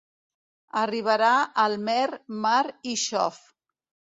Arribarà al mer mar i xof.